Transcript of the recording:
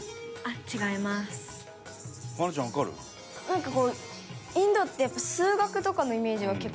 なんかこうインドってやっぱ数学とかのイメージは結構。